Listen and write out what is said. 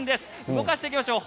動かしていきましょう。